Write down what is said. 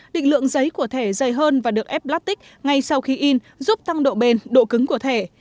định lượng giấy của thẻ dày hơn và được ép lát tích ngay sau khi in giúp tăng độ bền độ cứng của thẻ